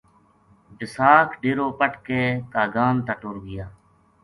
بِساکھ ڈیرو پٹ کے کاگان تا ٹُر گیا